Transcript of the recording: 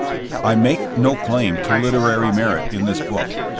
I make no claim to literary merit in this book.